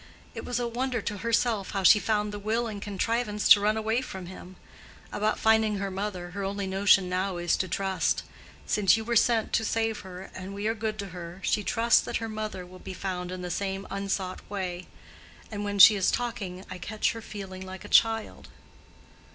It was a wonder to herself how she found the will and contrivance to run away from him. About finding her mother, her only notion now is to trust; since you were sent to save her and we are good to her, she trusts that her mother will be found in the same unsought way. And when she is talking I catch her feeling like a child."